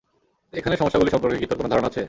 এখানের সমস্যাগুলি সম্পর্কে কি তোর কোনো ধারণা আছে?